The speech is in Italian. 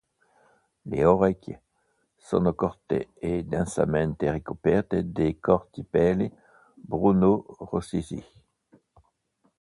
Le orecchie sono corte e densamente ricoperte di corti peli bruno-rossicci.